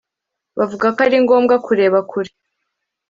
Bavuga ko ari ngombwa Kureba kure